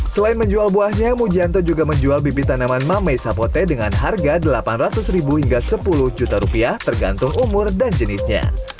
selain menjual buahnya mujianto juga menjual bibit tanaman mamei sapote dengan harga delapan ratus ribu hingga sepuluh juta rupiah tergantung umur dan jenisnya